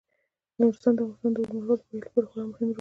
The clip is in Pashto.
نورستان د افغانستان د اوږدمهاله پایښت لپاره خورا مهم رول لري.